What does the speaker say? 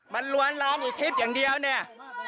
มันรวนรามอีทิศอย่างเดียวเนี่ย